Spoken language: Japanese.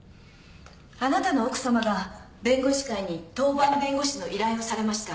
あなたの奥様が弁護士会に当番弁護士の依頼をされました。